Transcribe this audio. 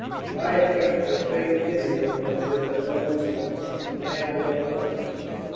"If I had kept my faith in him I should have known at once. I am well punished."